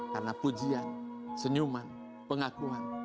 karena pujian senyuman pengakuan